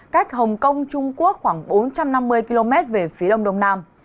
cách hồng kông trung quốc khoảng bốn trăm năm mươi km về phía đông đông nam